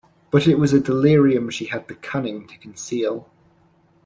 But it was a delirium she had the cunning to conceal.